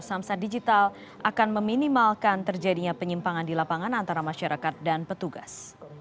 samsat digital akan meminimalkan terjadinya penyimpangan di lapangan antara masyarakat dan petugas